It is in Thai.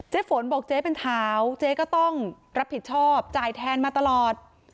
ฝนบอกเจ๊เป็นเท้าเจ๊ก็ต้องรับผิดชอบจ่ายแทนมาตลอด